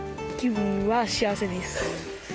気分は幸せです。